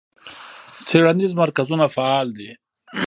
څیړنیز مرکزونه فعال دي.